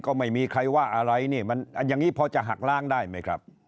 ก็ไม่มีใครว่าอะไรนี่มันอย่างนี้พอจะหักล้างได้ไหมครับ